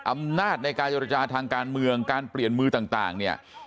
อำนาจในการเจรจาทางการเมืองการเปลี่ยนมือต่างเนี่ย